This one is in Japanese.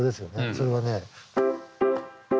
それをね。